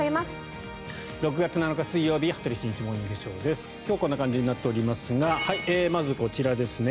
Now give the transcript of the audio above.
６月７日、水曜日「羽鳥慎一モーニングショー」。今日はこんな感じになっておりますがまず、こちらですね。